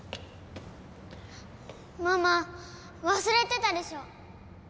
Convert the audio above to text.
ママ忘れてたでしょ？